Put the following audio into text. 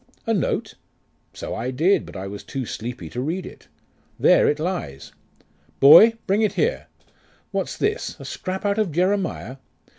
'A note? So I did, but I was too sleepy to read it. There it lies. Boy, bring it here....What's this? A scrap out of Jeremiah?